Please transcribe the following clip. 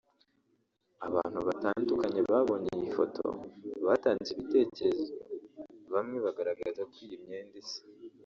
Abantu batandukanye babonye iyi foto batanze ibitekerezo bamwe bagaragaza ko imyenda isa